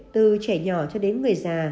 từ trẻ nhỏ cho đến người già